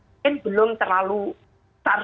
mungkin belum terlalu sarsai